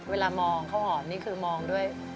เวลามองข้าวหอมนี่คือมองด้วย